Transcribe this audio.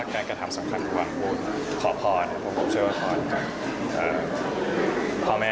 การกระทำสำคัญความกลัวขอภาพทอพชระอุพาต